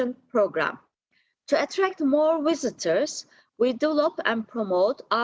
untuk menarik lebih banyak penontonan dan penontonan yang lebih muda ke turki dan di indonesia